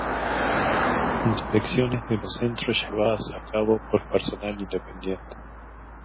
Inspecciones de los centros llevadas a cabo por personal independiente.